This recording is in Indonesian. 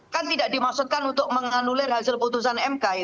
kan tidak dimaksudkan untuk menganulir hasil putusan mk